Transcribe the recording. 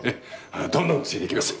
どんどんついでいきますよ。